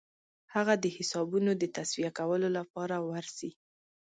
هغه د حسابونو د تصفیه کولو لپاره ورسي.